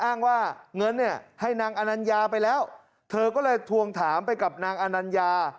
อ้างว่าเงินเนี่ยให้นางอนัญญาไปแล้วเธอก็เลยทวงถามไปกับนางอนัญญา